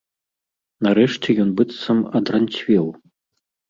Нарэшце ён быццам адранцвеў.